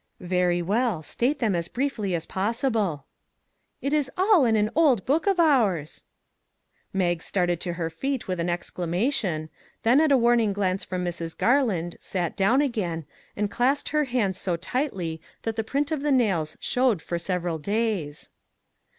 " Very well, state them as briefly as possi ble." " It is all in an old book of ours." Mag started to her feet with an exclamation, then at a warning glance from Mrs. Garland, sat down again and clasped her hands so MAG AND MARGARET tightly that the print of the nails showed for several days.